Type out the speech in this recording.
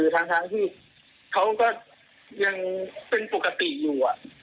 ทั้งที่เขาก็ยังเป็นปกติอยู่